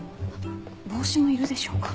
帽子もいるでしょうか？